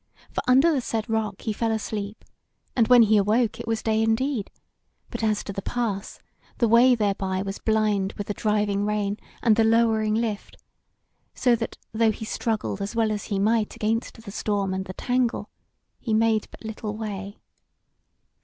For under the said rock he fell asleep, and when he awoke it was day indeed; but as to the pass, the way thereby was blind with the driving rain and the lowering lift; so that, though he struggled as well as he might against the storm and the tangle, he made but little way.